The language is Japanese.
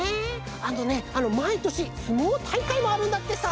あのねまいとしすもうたいかいもあるんだってさ！